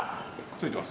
ついてます。